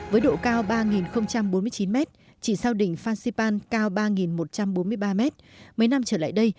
với độ cao ba bốn mươi chín m chỉ sau đỉnh phan xipan cao ba một trăm bốn mươi ba m mấy năm trở lại đây